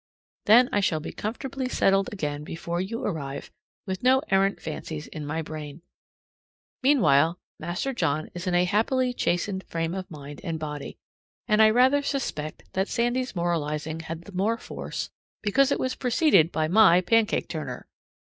Then I shall be comfortably settled again before you arrive, and with no errant fancies in my brain. Meanwhile Master John is in a happily chastened frame of mind and body. And I rather suspect that Sandy's moralizing had the more force because it was preceded by my pancake turner!